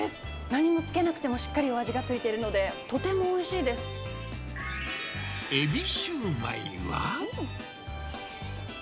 何もつけなくてもしっかりお味が付いているので、とてもおいしい海老焼売は。